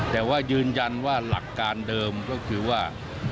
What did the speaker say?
แต่ว่ายืนยันว่าหลักการเดิมก็คือว่า